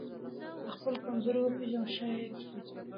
خپلې کمزورۍ وپېژنئ او ښه يې کړئ.